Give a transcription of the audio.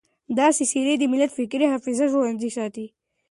داسې څېرې د ملت فکري حافظه ژوندۍ ساتي.